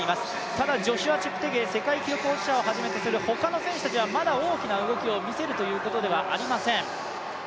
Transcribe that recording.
ただジョシュア・チェプテゲイ、世界記録保持者をはじめとするほかの選手たちはまだ大きな動きを見せるということはありません。